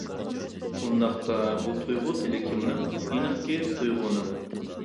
ئۇنداقتا بۇ تۇيغۇ تىلى كىمنىڭ؟ ئېنىقكى، تۇيغۇنىڭ!